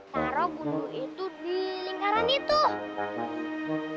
taruh bulu itu di lingkaran itu